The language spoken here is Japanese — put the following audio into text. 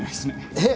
えっ？